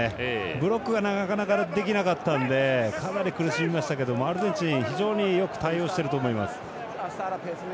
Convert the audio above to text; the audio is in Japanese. ブロックがなかなかできなかったのでかなり苦しみましたけどアルゼンチン非常によく対応していると思います。